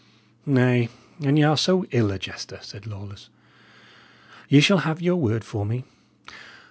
"Nay, an y' are so ill a jester," said Lawless, "ye shall have your word for me.